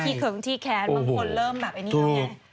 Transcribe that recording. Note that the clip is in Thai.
ที่เคริงที่แค้นบางคนเริ่มแบบอันนี้อยู่เนี่ย